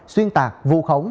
xuyên tạc vụ khống